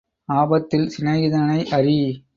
ஆபத்தில் சிநேகிதனை அறி.